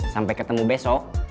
sampai ketemu besok